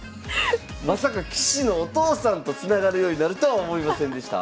まさか棋士のお父さんとつながるようになるとは思いませんでした。